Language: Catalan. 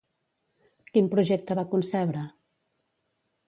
Quin projecte va concebre?